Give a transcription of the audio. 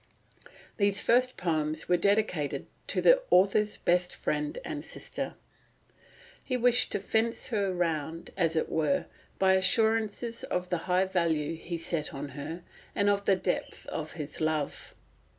These first poems were dedicated to "the author's best friend and sister." He wished to fence her round, as it were, by assurances of the high value he set on her, and of the depth of his love.